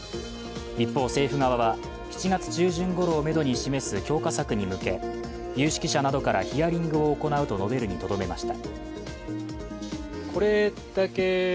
一方、政府側は７月中旬ごろをめどに目指す強化策に向け、有識者などからヒアリングを行うと述べるにとどめました。